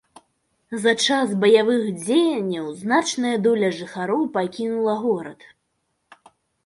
За час баявых дзеянняў значная доля жыхароў пакінула горад.